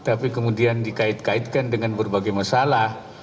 tapi kemudian dikait kaitkan dengan berbagai masalah